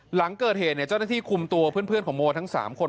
หลังเกิดเหตุเจ้าหน้าที่คุมตัวเพื่อนของโมทั้ง๓คน